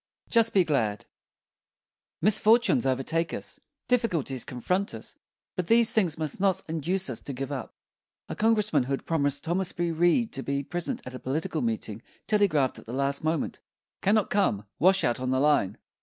JUST BE GLAD Misfortunes overtake us, difficulties confront us; but these things must not induce us to give up. A Congressman who had promised Thomas B. Reed to be present at a political meeting telegraphed at the last moment: "Cannot come; washout on the line."